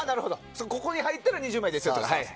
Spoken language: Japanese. ここに入ったら２０枚ですよとか。